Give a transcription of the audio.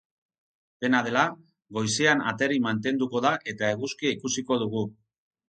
Dena dela, goizean ateri mantenduko da eta eguzkia ikusiko dugu.